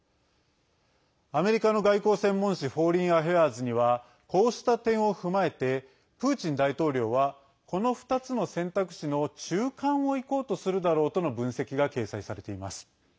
アメリカの外交専門誌「フォーリンアフェアーズ」にはこうした点を踏まえてプーチン大統領はこの２つの選択肢の中間をいこうとするだろうとの分析が掲載されています。